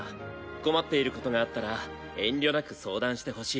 困っていることがあったら遠慮なく相談してほしい。